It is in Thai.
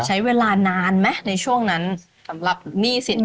ใช้เวลานานไหมในช่วงนั้นสำหรับหนี้สิน